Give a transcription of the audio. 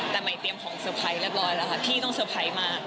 แต่ไม่เตรียมของสเตรียมเรียบร้อยแล้วนะคะที่ต้องสเตรียมมาก